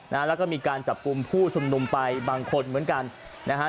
นะฮะแล้วก็มีการจับกลุ่มผู้ชุมนุมไปบางคนเหมือนกันนะฮะ